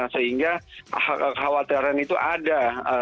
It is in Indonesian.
sehingga khawatiran itu ada